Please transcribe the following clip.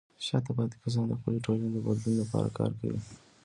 شاته پاتې کسان د خپلې ټولنې د بدلون لپاره کار کوي.